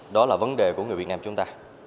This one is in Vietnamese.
đó là vấn đề của người việt nam chúng ta